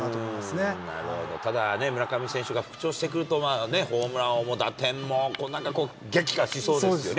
ただ、村上選手が復調してくると、ホームラン王も打点王も、激化しそうですよね。